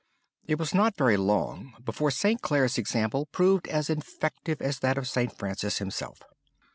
It was not very long before St. Clare's example proved as infective as that of St. Francis himself.